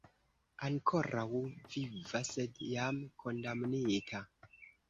Ankoraŭ viva, sed jam kondamnita.